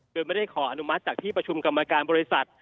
โดยไม่ได้ขออนุมัติจากที่ประชุมกรรมการบริษัท